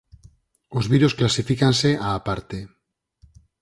Os virus clasifícanse á parte.